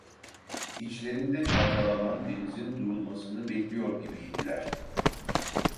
İçlerinde çalkalanan denizin durulmasını bekliyor gibiydiler.